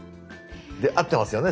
で合ってますよね？